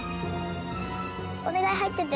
おねがいはいってて！